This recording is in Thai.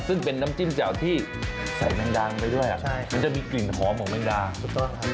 ซึ่งเป็นน้ำจิ้มแจ๋วที่ใส่แม่งดางไปด้วยน่ะมันจะมีกลิ่นหอมของแม่งดาง